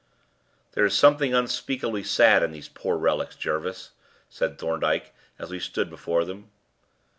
"There is something unspeakably sad in these poor relics, Jervis," said Thorndyke, as we stood before them.